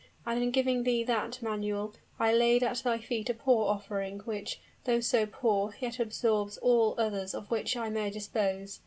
and in giving thee that, Manuel, I laid at thy feet a poor offering, which, though so poor, yet absorbs all others of which I may dispose!